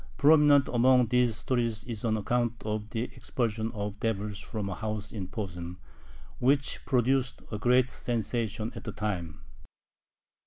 Prominent among these stories is an account of the expulsion of devils from a house in Posen, which produced a great sensation at the time.